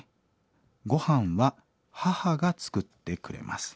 「ごはんは母が作ってくれます。